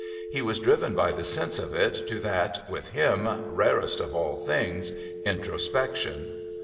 He was driven by the sense of it to that, with him, rarest of all things, introspection.